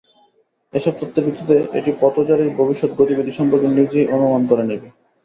এসব তথ্যের ভিত্তিতে এটি পথচারীর ভবিষ্যৎ গতিবিধি সম্পর্কে নিজেই অনুমান করে নেবে।